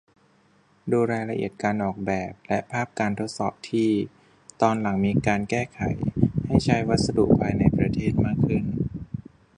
ดูรายละเอียดการออกแบบและภาพการทดสอบที่ ตอนหลังมีการแก้แบบให้ใช้วัสดุภายในประเทศมากขึ้น